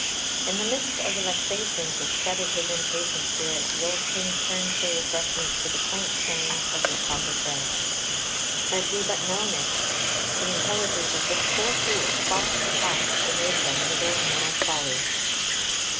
In the midst of the vexations which fretted his impatient spirit, the old King turned for refreshment to the quaint sayings of this humble friend; had he but known it, the intelligence of this poor Fool far surpassed in wisdom his own mad folly.